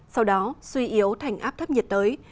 sau đó suy yếu thành áp thấp nhiệt tới